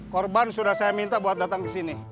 korban sudah saya minta buat datang ke sini